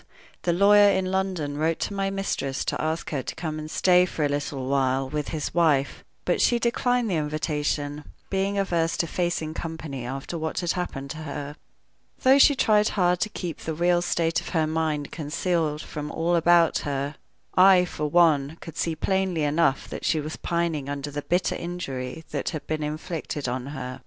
The lawyer in London wrote to my mistress to ask her to come and stay for a little while with his wife; but she declined the invitation, being averse to facing company after what had happened to her. Though she tried hard to keep the real state of her mind concealed from all about her, I, for one, could see plainly enough that she was pining under the bitter injury that had been inflicted on her.